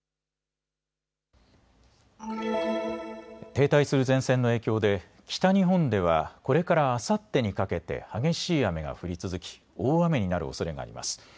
停滞する前線の影響で北日本ではこれからあさってにかけて激しい雨が降り続き大雨になるおそれがあります。